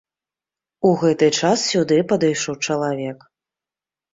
У гэты час сюды падышоў чалавек.